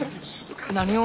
何を？